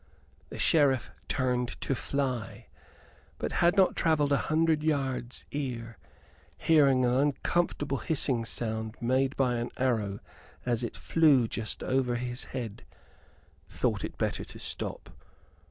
The Sheriff turned to fly, but had not travelled a hundred yards ere, hearing an uncomfortable hissing sound, made by an arrow, as it flew just over his head, thought it better to stop.